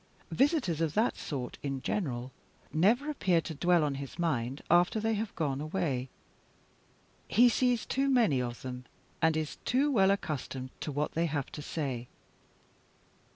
Visitors of that sort, in general, never appear to dwell on his mind after they have gone away; he sees too many of them, and is too well accustomed to what they have to say.